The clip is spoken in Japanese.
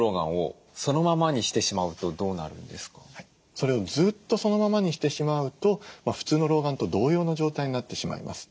それをずっとそのままにしてしまうと普通の老眼と同様の状態になってしまいます。